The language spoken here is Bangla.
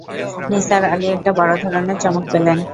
নিসার আলি একটা বড় ধরনের চমক পেলেন।